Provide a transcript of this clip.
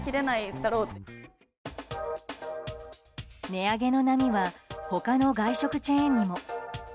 値上げの波は他の外食チェーンにも。